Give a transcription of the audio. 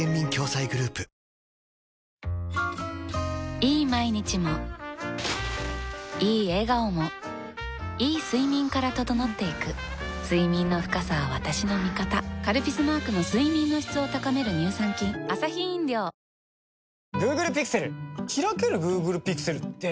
いい毎日もいい笑顔もいい睡眠から整っていく睡眠の深さは私の味方「カルピス」マークの睡眠の質を高める乳酸菌おっきた！